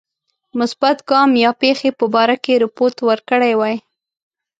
مثبت ګام یا پیښی په باره کې رپوت ورکړی وای.